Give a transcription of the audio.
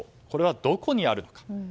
これはどこにあるのか。